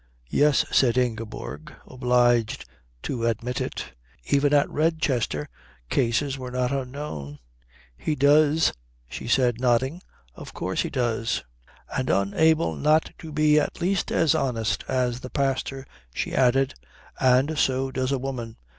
"Yes," said Ingeborg, obliged to admit it; even at Redchester cases were not unknown. "He does," she said, nodding. "Of course he does." And unable not to be at least as honest as the pastor she added: "And so does a woman."